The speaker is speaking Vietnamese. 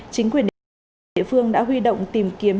chính quyền địa phương đã huy động tìm kiểm tra